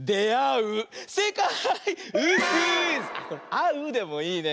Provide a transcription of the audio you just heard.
「あう」でもいいね。